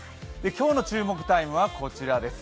今日の注目タイムはこちらです。